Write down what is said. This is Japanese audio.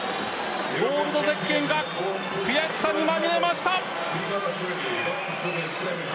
ゴールドゼッケンが悔しさにまみえました。